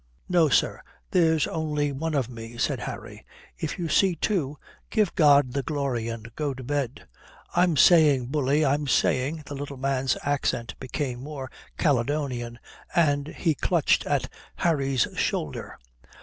"No, sir, there's only one of me," said Harry. "If you see two, give God the glory and go to bed." "I'm saying, bully, I'm saying," the little man's accent became more Caledonian and he clutched at Harry's shoulder.